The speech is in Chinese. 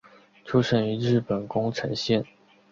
出生于日本宫城县。